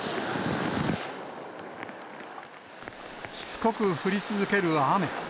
しつこく降り続ける雨。